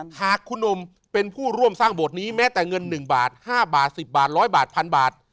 หากคุณหนุ่มเป็นผู้ร่วมสร้างโบสถนี้แม้แต่เงิน๑บาท๕บาท๑๐บาท๑๐๐บาท๑๐๐บาท